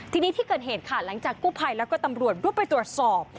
ทีนี้ที่เกิดเหตุค่ะหลังจากกู้ภัยแล้วก็ตำรวจรวบไปตรวจสอบ